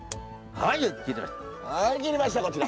はい切りましたこちら。